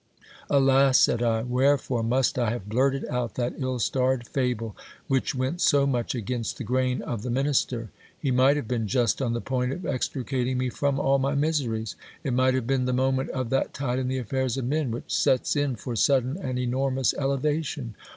Alas ! said I, wherefore must I have blurted out that ill starred fable, which went so much against the grain of the minister ? He might have been just on the point of extricating me from all my miseries ; it might have been the moment of that tide in the affairs of men, which sets in for sudden and enormous elevation.